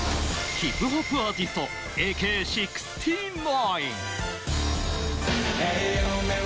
ヒップホップアーティスト・ＡＫ−６９。